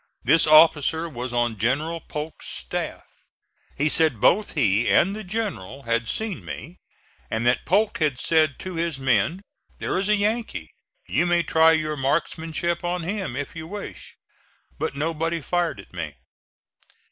This officer was on General Polk's staff. He said both he and the general had seen me and that Polk had said to his men, "There is a Yankee; you may try your marksmanship on him if you wish," but nobody fired at me.